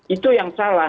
itu yang salah